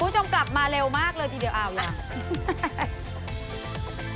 คุณจงกลับมาเร็วมากเลยทีเดียวอ่าวอย่าง